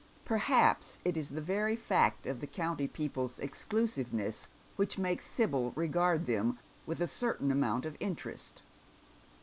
Perhaps it is the very fact of the county people's exclusiveness which makes Sibyl regard them with a certain amount of interest.